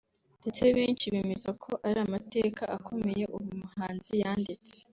ndetse benshi bemeza ko ari amateka akomeye uyu muhanzi yanditse